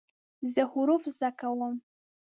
زه حروف زده کوم.